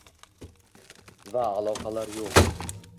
Va aloqalar ham yo'q